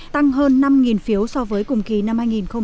tăng hơn năm phiếu so với cùng kỳ năm hai nghìn một mươi tám